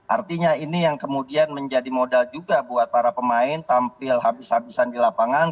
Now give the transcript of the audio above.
artinya ini yang kemudian menjadi modal juga buat para pemain tampil habis habisan di lapangan